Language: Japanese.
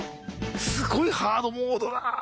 すごいハードモードだ。